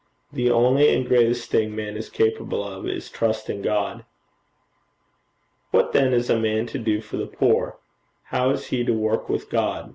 The only and the greatest thing man is capable of is Trust in God.' 'What then is a man to do for the poor? How is he to work with God?'